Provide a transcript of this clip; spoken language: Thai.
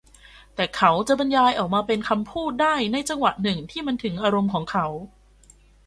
แต่เขาจะบรรยายออกมาเป็นคำพูดได้ในจังหวะหนึ่งที่มันถึงอารมณ์ของเขา